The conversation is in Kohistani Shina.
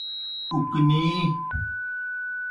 اُکنِی۔